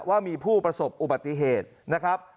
ว่ามีผู้ประสบอุบัติเหตุนะครับ